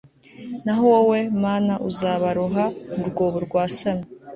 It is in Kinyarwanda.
naho wowe, mana, uzabaroha mu rwobo rwasamye